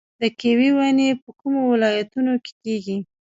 د کیوي ونې په کومو ولایتونو کې کیږي؟